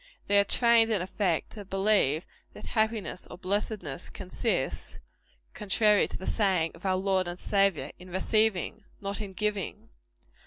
They are trained, in effect, to believe that happiness, or blessedness, consists contrary to the saying of our Lord and Saviour in receiving; not in giving.